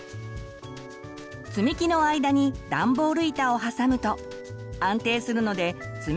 つみきの間にダンボール板を挟むと安定するのでつ